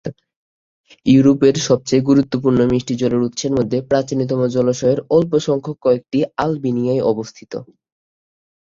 ইউরোপের সবচেয়ে গুরুত্বপূর্ণ মিষ্টি জলের উৎসের মধ্যে প্রাচীনতম জলাশয়ের অল্প সংখ্যক কয়েকটি আলবেনিয়ায় অবস্থিত।